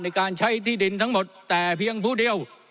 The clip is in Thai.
ในการใช้ที่ดินทั้งหมดแต่เพียงผู้เดียว